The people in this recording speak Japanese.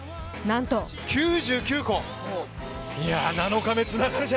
９９個。